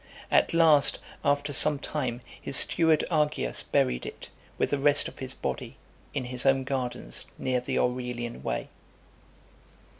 At last, after some time, his steward Argius buried it, with the rest of his body, in his own gardens near the Aurelian Way.